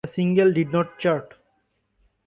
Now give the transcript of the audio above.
The single did not chart.